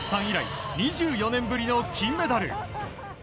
以来２４年ぶりの金メダル。